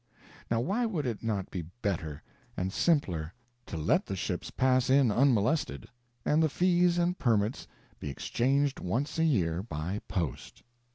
Now why would it not be better and simpler to let the ships pass in unmolested, and the fees and permits be exchanged once a year by post.